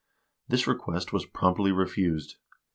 This request was promptly refused.